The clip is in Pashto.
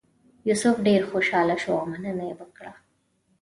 یوسف ډېر خوشاله شو او مننه یې وکړه.